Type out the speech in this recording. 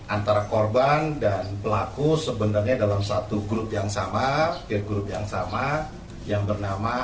antara korban dan pelaku sebenarnya dalam satu grup yang sama ke grup yang sama yang bernama